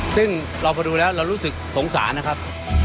ซึ่งเราพอดูแล้วเรารู้สึกสงสารนะครับ